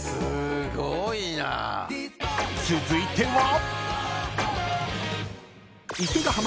［続いては］